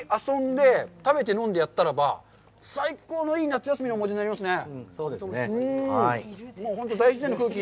確かにこれ、一日、遊んで、食べて、飲んでやったらば、最高のいい夏休みの思い出になりますね。